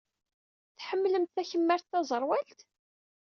Tḥemmlemt takemmart taẓerwalt?